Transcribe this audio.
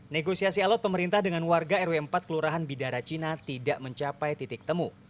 negosiasi alat pemerintah dengan warga rw empat kelurahan bidara cina tidak mencapai titik temu